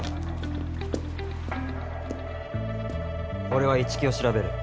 俺は一木を調べる。